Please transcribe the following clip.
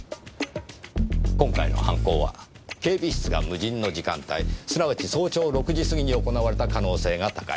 今回の犯行は警備室が無人の時間帯すなわち早朝６時過ぎに行われた可能性が高い。